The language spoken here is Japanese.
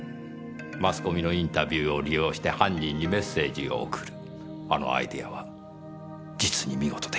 マスコミのインタビューを利用して犯人にメッセージを送るあのアイデアは実に見事でした。